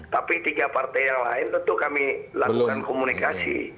tapi tiga partai yang lain tentu kami lakukan komunikasi